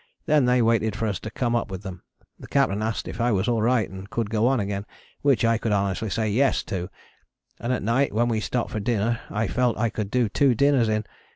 They then waited for us to come up with them. The Captain asked if I was all right and could go on again, which I could honestly say 'Yes' to, and at night when we stopped for dinner I felt I could do two dinners in.